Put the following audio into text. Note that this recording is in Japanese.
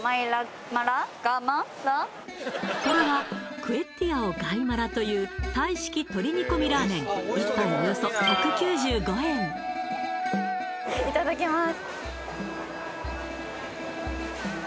これはクイッティアオガイマラというタイ式鶏煮込みラーメン１杯およそ１９５円いただきます